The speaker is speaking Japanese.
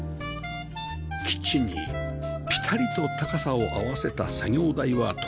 キッチンにぴたりと高さを合わせた作業台は特注品